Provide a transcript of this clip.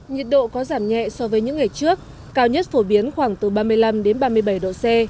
nhiệt độ có giảm nhẹ so với những ngày trước cao nhất phổ biến khoảng từ ba mươi năm đến ba mươi bảy độ c